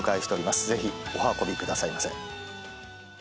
ぜひお運びくださいませ。